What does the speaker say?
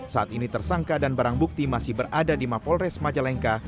saat ini tersangka dan barang bukti masih berada di mapolres majalengka